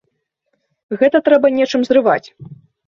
Гэта трэба нечым зрываць.